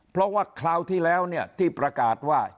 เพราะว่าคราวที่แล้วเนี่ยที่ประกาศว่า